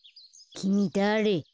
きみだれ？